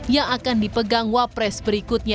yang akan dipegang wakil presiden berikutnya